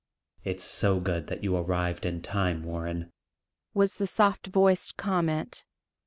"It's so good that you arrived in time, Warren," was the soft voiced comment.